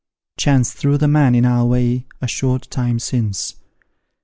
Chance threw the man in our way a short time since.